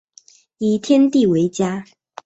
以天地为家